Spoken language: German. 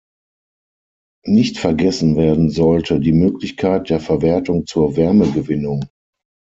Nicht vergessen werden sollte die Möglichkeit der Verwertung zur Wärmegewinnung.